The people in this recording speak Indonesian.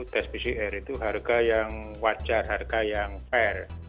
tes pcr itu harga yang wajar harga yang fair